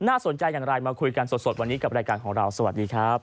สนใจอย่างไรมาคุยกันสดวันนี้กับรายการของเราสวัสดีครับ